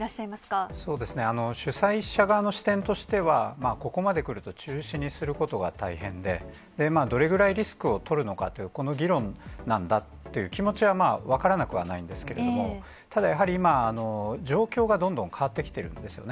そうですね、主催者側の視点としては、ここまでくると中止にすることが大変で、どれぐらいリスクを取るのかという、この議論なんだっていう気持ちはまあ、分からなくはないんですけれども、ただやはり、今、状況がどんどん変わってきてるんですよね。